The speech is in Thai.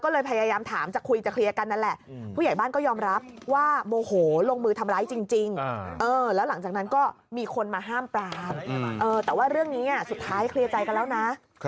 สุดท้ายเคลียร์ใจกันแล้วนะ